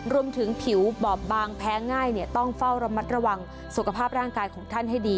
ผิวบอบบางแพ้ง่ายต้องเฝ้าระมัดระวังสุขภาพร่างกายของท่านให้ดี